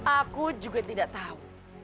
aku juga tidak tahu